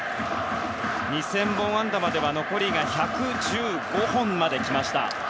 ２０００本安打までは残り１１５本まで来ました。